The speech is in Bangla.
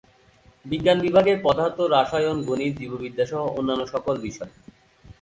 বিজ্ঞান বিভাগের পদার্থ, রসায়ন, গণিত, জীববিদ্যা সহ অন্যান্য সকল বিষয়।